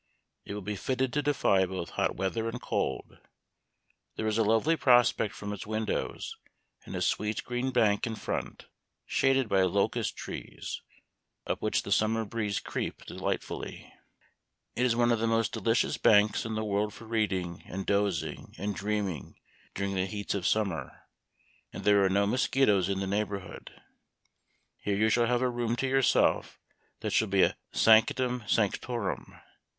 It will be fitted to defy both hot weather and cold. There is a lovely prospect from its windows, and a sweet green bank in front, shaded by locust trees, up which the summer breeze creeps de Memoir of Washington Irving. 245 lightfully. It is one of the most delicious banks in the world for reading, and dozing, and dream ing during the heats of summer ; and there are no mosquitoes in the neighborhood. Here you shall have a room to yourself that shall be a sanctum sanctorum.